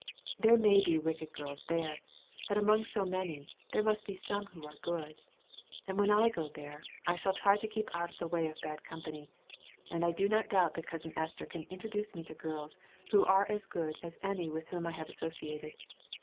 There may be wicked girls there; but among so many, there must be some who are good; and when I go there, I shall try to keep out of the way of bad company, and I do not doubt that cousin Esther can introduce me to girls who are as good as any with whom I have associated.